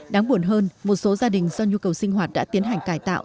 đáng buồn hơn một số gia đình do nhu cầu sinh hoạt đã tiến hành cải tạo